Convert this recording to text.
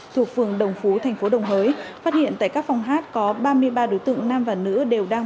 thuộc phường đồng phú thành phố đồng hới phát hiện tại các phòng hát có ba mươi ba đối tượng nam và nữ đều đang